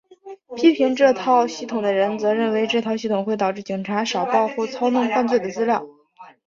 批评这套系统的人则认为这套系统会导致警察少报或操弄犯罪的资料。